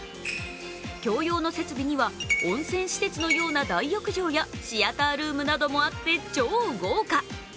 共用の設備には温泉施設のような大浴場やシアタールームなどもあって超豪華。